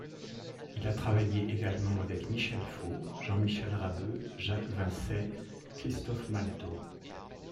Il a travaillé également avec Michel Fau, Jean-Michel Rabeux, Jacques Vincey, Christophe Maltot.